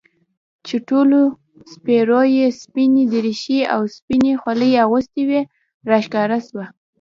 چې ټولو سپرو يې سپينې دريشۍ او سپينې خولۍ اغوستې وې راښکاره سوه.